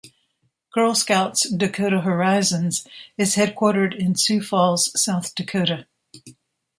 Girl Scouts-Dakota Horizons is headquartered in Sioux Falls, South Dakota.